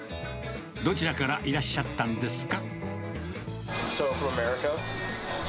どちらからいらっしゃったんですか？